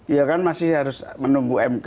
iya kan masih harus menunggu mk